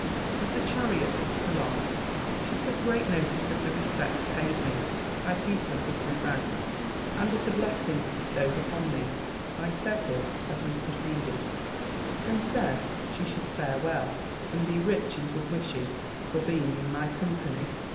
As the chariot passed along, she took great notice of the respects paid me by people of different ranks, and of the blessings bestowed upon me, by several, as we proceeded; and said, she should fare well, and be rich in good wishes, for being in my company.